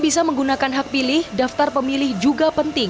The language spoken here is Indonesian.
jika akan menangani hak pilih daftar pemilih juga penting